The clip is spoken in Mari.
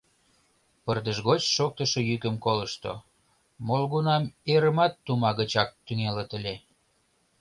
Пырдыж гоч шоктышо йӱкым колышто: молгунам эрымат тума гычак тӱҥалыт ыле.